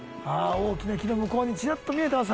大きな木の向こうにちらっと見えてます